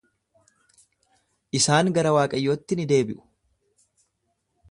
Isaan gara Waaqayyootti ni deebi'u.